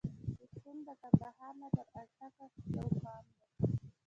پښتون د کندهار نه تر اټکه یو قوم دی.